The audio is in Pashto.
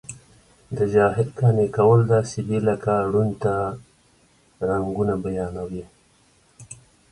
د جاهل قانع کول داسې دي لکه ړوند ته رنګونه بیانوي.